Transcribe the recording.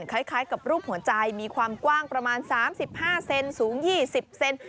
คล้ายกับรูปหัวใจมีความกว้างประมาณสามสิบห้าเซนสูงยี่สิบเซน